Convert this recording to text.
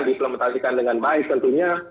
diplemetasikan dengan baik tentunya